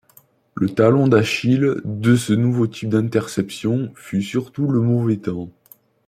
Le talon d'Achille de ce nouveau type d'interception fut surtout le mauvais temps.